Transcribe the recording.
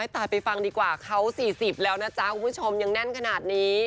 ตายไปฟังดีกว่าเขา๔๐แล้วนะจ๊ะคุณผู้ชมยังแน่นขนาดนี้